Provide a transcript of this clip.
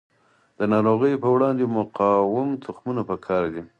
د ناروغیو په وړاندې مقاوم تخمونه پکار دي.